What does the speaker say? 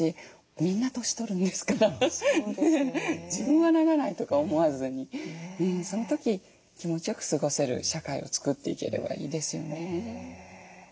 みんな年とるんですから自分はならないとか思わずにその時気持ちよく過ごせる社会を作っていければいいですよね。